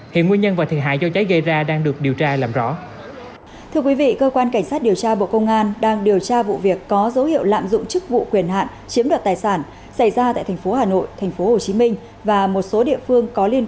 hiện nguyên nhân và thiệt hại do cháy gây ra đang được điều tra làm rõ